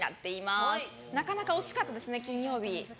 なかなか惜しかったですね金曜日。